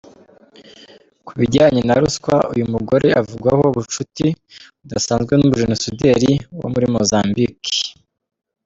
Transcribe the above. Ku bijyanye na ruswa, uyu nugore avugwaho ubucuti budasanzwe n’umujenerali wo muri Mozambike .